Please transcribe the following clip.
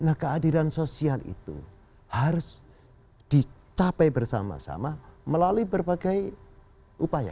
nah keadilan sosial itu harus dicapai bersama sama melalui berbagai upaya